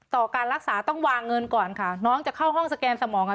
การรักษาต้องวางเงินก่อนค่ะน้องจะเข้าห้องสแกนสมองอ่ะ